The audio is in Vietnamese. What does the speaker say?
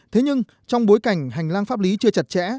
thế nhưng trong bối cảnh hành lang pháp lý chưa chặt chẽ